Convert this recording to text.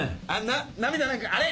涙なんかあれ？